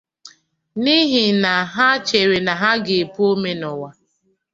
n'ihi na ha chere na ha ga-epu ome n'ụwa